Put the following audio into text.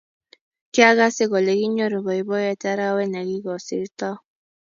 kyagase kole kinyoru boiboiyet arawet nigosirtoi